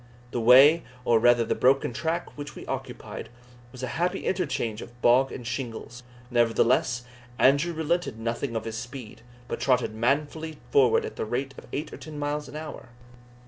The way, or rather the broken track which we occupied, was a happy interchange of bog and shingles; nevertheless, Andrew relented nothing of his speed, but trotted manfully forward at the rate of eight or ten miles an hour.